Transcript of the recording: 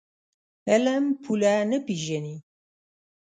علم پوله نه پېژني.